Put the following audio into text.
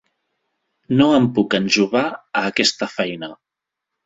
No em puc enjovar a aquesta feina.